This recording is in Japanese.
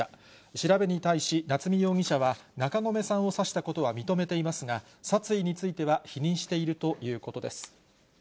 調べに対し夏見容疑者は、中込さんを刺したことは認めていますが、殺意については否認しているということです。